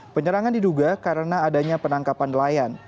penyerangan diduga karena adanya penangkapan nelayan